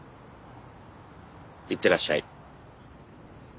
いってらっしゃい。